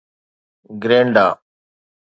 Grenada